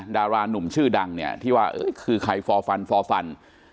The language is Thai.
ดารานุ่มชื่อดังเนี่ยที่ว่าคือใครฟอร์ฟันฟอร์ฟัน